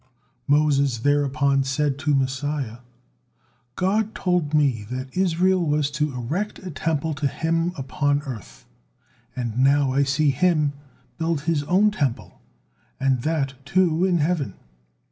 Moses thereupon said to Messiah: "God told me that Israel was to erect a Temple to Him upon earth, and I now see Him build His own Temple, and that, too, in heaven!"